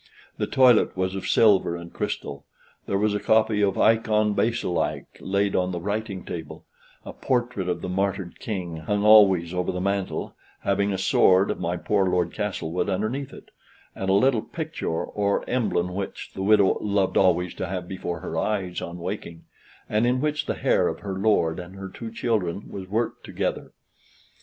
The toilet was of silver and crystal; there was a copy of "Eikon Basilike" laid on the writing table; a portrait of the martyred King hung always over the mantel, having a sword of my poor Lord Castlewood underneath it, and a little picture or emblem which the widow loved always to have before her eyes on waking, and in which the hair of her lord and her two children was worked together.